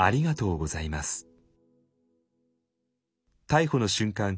逮捕の瞬間